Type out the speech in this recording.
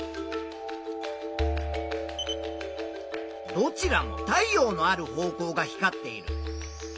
どちらも太陽のある方向が光っている。